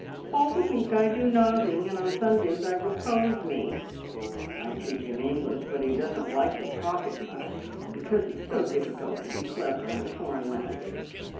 "All the week I do nozzing, and on Sundays I repose me!" I teach him English, but he doesn't like to talk it much, because it's so difficult to be clever in a foreign language.